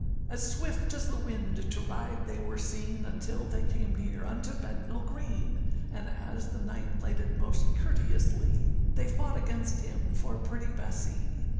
As swift as the wind to ride they were seen, Until they came near unto Bednall Green, And as the knight lighted most courteously, They fought against him for pretty Bessee.